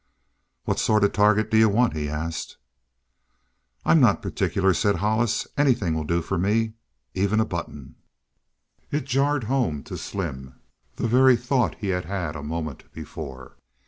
"What sort of a target d'you want?" he asked. "I'm not particular," said Hollis. "Anything will do for me even a button!" It jarred home to Slim the very thought he had had a moment before.